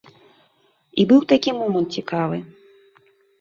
І быў такі момант цікавы.